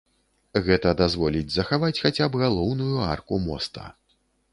Гэта дазволіць захаваць хаця б галоўную арку моста.